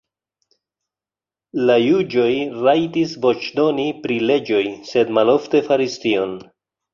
La juĝoj rajtis voĉdoni pri leĝoj, sed malofte faris tion.